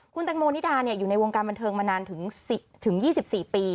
คุณแต่งโมนิดาเนี่ยอยู่ในวงการบันเทิงมานานถึงสิบถึงยี่สิบสี่ปี